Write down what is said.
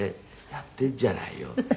やってんじゃないよ”って」